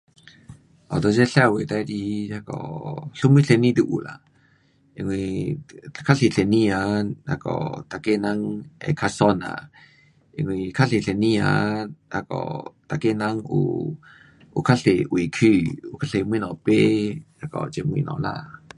um 在这社会最喜欢那个什么生意都有啦，因为较多生意啊，那个每个人会较爽啦，因为较多生意啊，那个每个人有，有较多位去。有较多东西买。那个这东西啦。